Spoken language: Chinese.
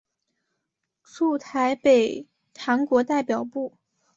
驻台北韩国代表部。